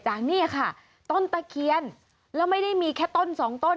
เนี่ยค่ะต้นตะเคียนแล้วไม่ได้มีแค่ต้นสองต้น